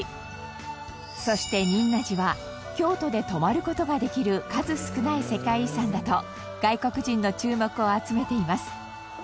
そして仁和寺は京都で泊まる事ができる数少ない世界遺産だと外国人の注目を集めています。